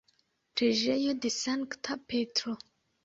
Preĝejo de Sankta Petro.